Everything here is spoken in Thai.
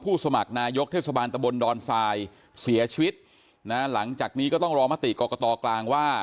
สมัครนายกเทศบาลตะบนดอนทรายเสียชีวิตนะหลังจากนี้ก็ต้องรอมติกรกตกลางว่า